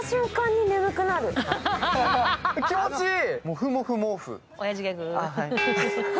気持ちいい！